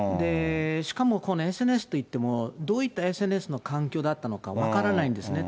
しかも、このＳＮＳといっても、どういったＳＮＳの環境だったのか分からないんですね。